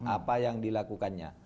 apa yang dilakukannya